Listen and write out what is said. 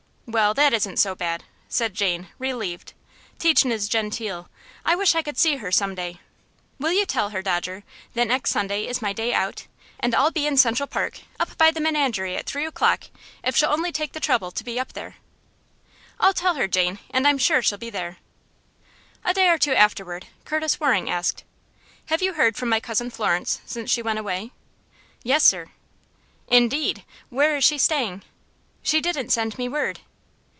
"Well, that isn't so bad!" said Jane, relieved. "Teachin' is genteel. I wish I could see her some day. Will you tell her, Dodger, that next Sunday is my day out, and I'll be in Central Park up by the menagerie at three o'clock, if she'll only take the trouble to be up there?" "I'll tell her, Jane, and I'm sure she'll be there." A day or two afterward Curtis Waring asked: "Have you heard from my Cousin Florence since she went away?" "Yes, sir." "Indeed! Where is she staying?" "She didn't send me word."